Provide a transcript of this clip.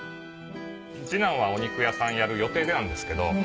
次男はお肉屋さんやる予定なんですけど。